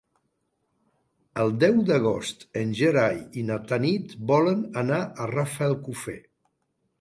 El deu d'agost en Gerai i na Tanit volen anar a Rafelcofer.